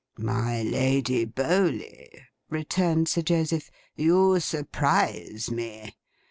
'My lady Bowley,' returned Sir Joseph, 'you surprise me.